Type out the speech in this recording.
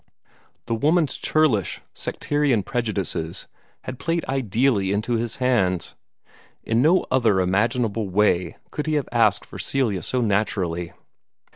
The woman's churlish sectarian prejudices had played ideally into his hands. In no other imaginable way could he have asked for Celia so naturally.